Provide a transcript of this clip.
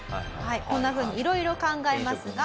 こんな風にいろいろ考えますが。